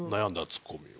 ツッコミを。